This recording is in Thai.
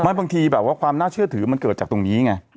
บางทีแบบว่าความน่าเชื่อถือมันเกิดจากตรงนี้ไง